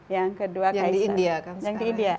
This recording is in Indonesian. yang kedua kaisar yang di india